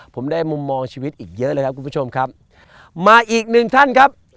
ผมได้มุมมองชีวิตอีกเยอะเลยครับคุณผู้ชมครับมาอีกหนึ่งท่านครับ